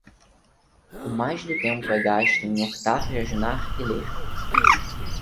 O mais do tempo é gasto em hortar, jardinar e ler